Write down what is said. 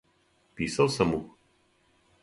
Писао сам му?